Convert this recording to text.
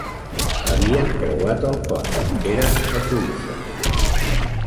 Havien creuat el pont; eren a Suïssa.